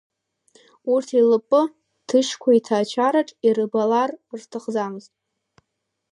Урҭ еилыппы Ҭышькәа иҭаацәараҿ ирбалар рҭахӡамызт.